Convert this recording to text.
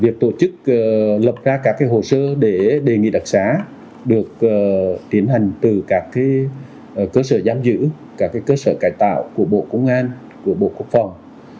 việc tổ chức lập ra các hồ sơ để đề nghị đặc xá được tiến hành từ các cơ sở giam giữ các cơ sở cải tạo của bộ công an của bộ quốc phòng